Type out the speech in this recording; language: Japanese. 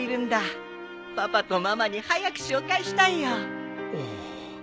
パパとママに早く紹介したいよ。